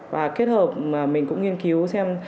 và kết hợp mình cũng nghiên cứu xem